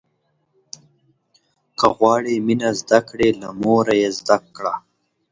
که غواړې مينه زده کړې، له موره يې زده کړه.